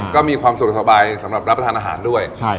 ก็มีความสุขสบายสำหรับรับประทานอาหารด้วย